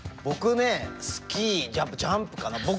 僕ねスキージャンプかな。